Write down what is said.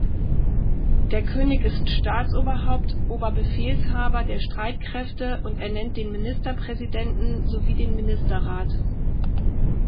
Der König ist Staatsoberhaupt, Oberbefehlshaber der Streitkräfte und ernennt den Ministerpräsidenten sowie den Ministerrat.